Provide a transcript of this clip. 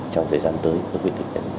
trong thời gian tới